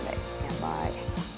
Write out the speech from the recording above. やばい。